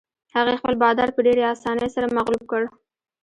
هغې خپل بادار په ډېرې اسانۍ سره مغلوب کړ.